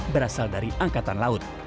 berasal dari angkatan laut